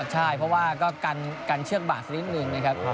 ใช่เพราะว่าก็กันเชือกบาดสักนิดนึงนะครับ